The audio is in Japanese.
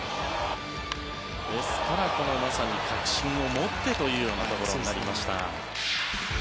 ですから確信を持ってというところになりました。